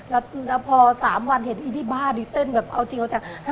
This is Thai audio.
แล้วพอสามวันเห็นอี้นี่บ้าดิเต้นแบบเอาจริงเอาจริงเอาจริง